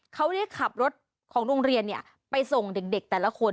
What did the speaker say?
เขาได้ขับรถของโรงเรียนไปส่งเด็กแต่ละคน